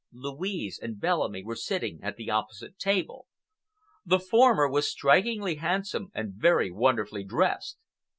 Louise and Bellamy were sitting at the opposite table. The former was strikingly handsome and very wonderfully dressed.